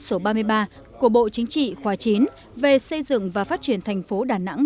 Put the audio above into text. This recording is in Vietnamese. nghị quyết số ba mươi ba của bộ chính trị khoa chín về xây dựng và phát triển thành phố đà nẵng